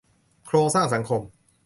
โครงสร้างสังคม